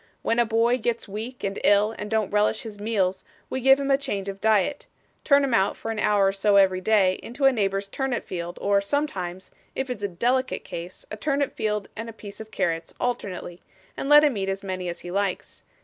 'When a boy gets weak and ill and don't relish his meals, we give him a change of diet turn him out, for an hour or so every day, into a neighbour's turnip field, or sometimes, if it's a delicate case, a turnip field and a piece of carrots alternately, and let him eat as many as he likes.